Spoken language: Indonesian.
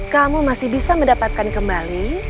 kamu masih bisa mendapatkan kembali